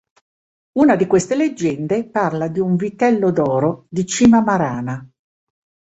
Una di queste leggende parla di un Vitello d'oro di cima Marana.